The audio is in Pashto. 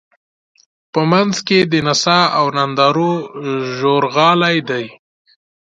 په منځ کې د نڅا او نندارو ژورغالی دی.